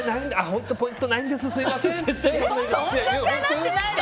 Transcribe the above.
本当ポイントないんですすみませんって。